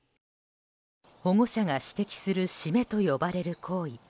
保護者が指摘するシメと呼ばれる行為。